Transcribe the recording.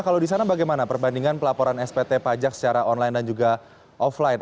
kalau di sana bagaimana perbandingan pelaporan spt pajak secara online dan juga offline